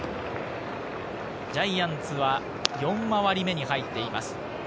ジャイアンツは４回り目に入っています。